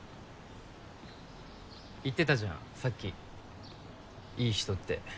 言ってたじゃんさっきいい人って。